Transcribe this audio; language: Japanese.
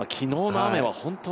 昨日の雨は本当に。